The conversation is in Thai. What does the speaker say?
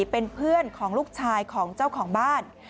เป็นเพื่อนของลูกชายของเจ้าของบ้าน